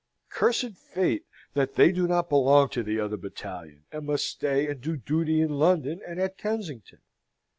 Cursed fate that they do not belong to the other battalion; and must stay and do duty in London and at Kensington!